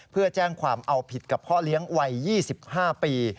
เพื่อแจ้งความเอาผิดกับพ่อเลี้ยงวัย๒๕ปี